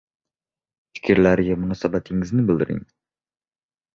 Fikrlariga munosabatingizni bildiring.